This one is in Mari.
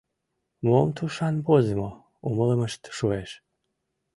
Мом тушан возымо — умылымышт шуэш.